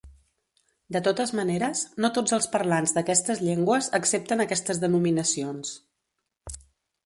De totes maneres, no tots els parlants d'aquestes llengües accepten aquestes denominacions.